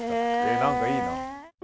何かいいな。